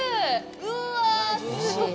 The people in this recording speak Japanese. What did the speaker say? うわぁ、すごい。